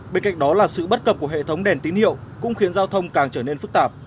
bên cạnh đó là sự bất cập của hệ thống đèn tín hiệu cũng khiến giao thông càng trở nên phức tạp